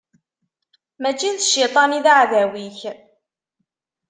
Mačči d cciṭan i d aɛdaw-ik.